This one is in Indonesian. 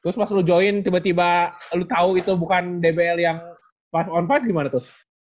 terus pas lo join tiba tiba lo tau itu bukan dbl yang pas on five gimana tuh